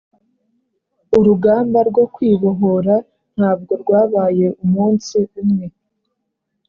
Urugamba rwo kwibohora ntabwo rwabaye umunsi umwe,